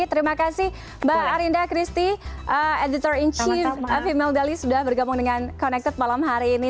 terima kasih mbak arinda christie editor in chief female dali sudah bergabung dengan connected malam hari ini